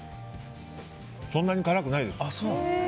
そんなに辛くないです。